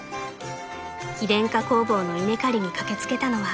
非電化工房の稲刈りに駆け付けたのは］